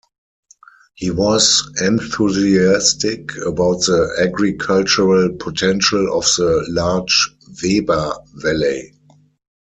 He was enthusiastic about the agricultural potential of the large Weber Valley.